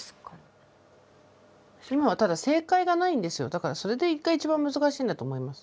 だからそれが一番難しいんだと思います。